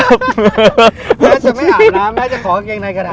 แม่จะไม่อาบน้ำแม่จะขอกางเกงในกระดาษ